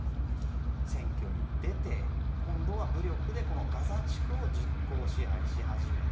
選挙に出て、今度は武力でガザ地区を実効支配し始めた。